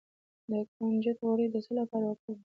د کنجد غوړي د څه لپاره وکاروم؟